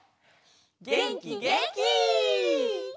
げんきげんき！